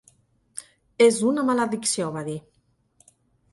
"És una maledicció", va dir.